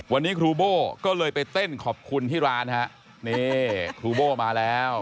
วันนี้ครูโบ้ก็เลยไปเต้นขอบคุณที่ร้านฮะนี่ครูโบ้มาแล้ว